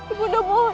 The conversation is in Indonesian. ibu nda mohon